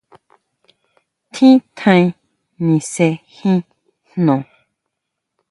Tjín tjaen nise jin jno.